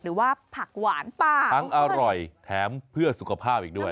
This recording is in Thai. หรือว่าผักหวานป่าทั้งอร่อยแถมเพื่อสุขภาพอีกด้วย